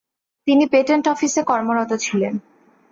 তিনি পেটেন্ট অফিসে কর্মরত ছিলেন।